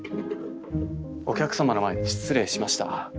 お客様の前で失礼しました。